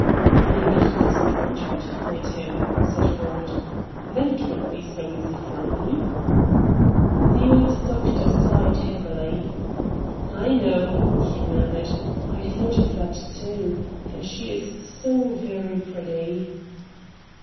"Maybe he doesn't want her to find him," said Ford. "Then it wouldn't be so easy for me." The old doctor sighed heavily. "I know," he murmured. "I thought of that, too. And she is so very pretty."